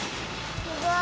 すごい。